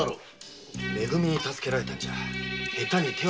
「め組」に助けられたんじゃ下手に手は出せねえぜ。